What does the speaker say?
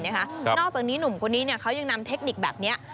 นอกจากนี้หนุ่มคนนี้เขายังนำเทคนิคแบบนี้